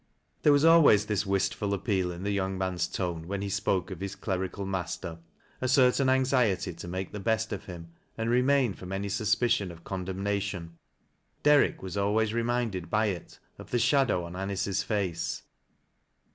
There was always this wistful appeal in the young man's tone when he spoke of his clerical master — a certaic anxiety to make the best of him, and refrain from any suspicion of condemnation. Derrick was always reminded by it of the shadow on Anice's face.